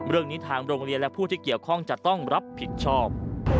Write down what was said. เรื่องนี้ทางโรงเรียนและผู้ที่เกี่ยวข้องจะต้องรับผิดชอบ